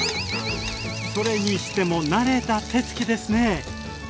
それにしても慣れた手つきですね！